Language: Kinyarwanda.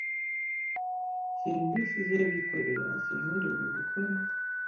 serivisi z’abikorera zemerewe gukora